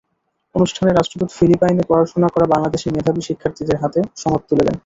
অনুষ্ঠানে রাষ্ট্রদূত ফিলিপাইনে পড়াশোনা করা বাংলাদেশি মেধাবী শিক্ষার্থীদের হাতে সনদ তুলে দেন।